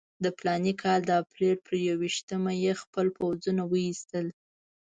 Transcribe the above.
د فلاني کال د اپرېل پر یوویشتمه یې خپل پوځونه وایستل.